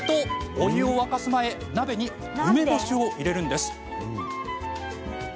お湯を沸かす前鍋に梅干しを入れるんです。